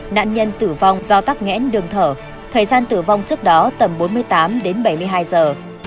nạn nhân tử vong do tắc nghẽn đường thở thời gian tử vong trước đó tầm bốn mươi tám đến bảy mươi hai giờ